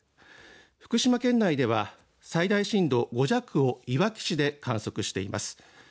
福島県内では最大震度５弱をいわき市で観測しています。